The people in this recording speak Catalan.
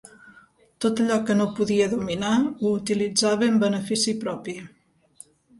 Tot allò que no podia dominar ho utilitzava en benefici propi.